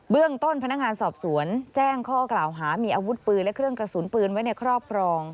เรื่องต้นพนักงานสอบสวนแจ้งข้อกล่าวหามีอาวุธปืนและเครื่องกระสุนปืนไว้ในครอบครอง